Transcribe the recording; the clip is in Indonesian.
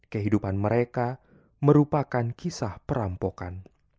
kehidupan mereka merupakan kisah perampokan